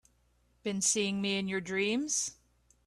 Been seeing me in your dreams?